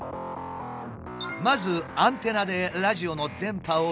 まずアンテナでラジオの電波を受信。